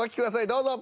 どうぞ。